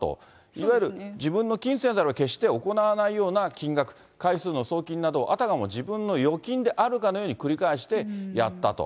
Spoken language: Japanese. いわゆる自分の金銭であれば、決して行わないような金額、回数の送金など、あたかも自分の預金であるかのように繰り返してやったと。